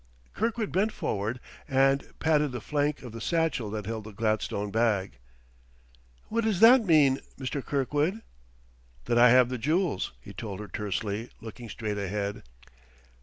Kirkwood bent forward and patted the flank of the satchel that held the gladstone bag. "What does that mean, Mr. Kirkwood?" "That I have the jewels," he told her tersely, looking straight ahead.